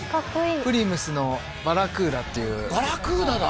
プリムスのバラクーダっていうバラクーダだ！